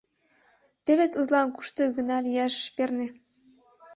Таче тудлан кушто гына лияш ыш перне!